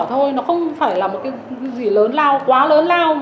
thôi nó không phải là một cái gì lớn lao quá lớn lao